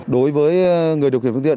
đối với người điều khiển phương tiện